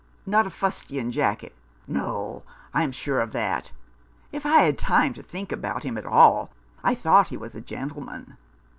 " Not a fustian jacket ?" "No, I am sure of that. If I had time to think about him at all I thought he was a gentle man."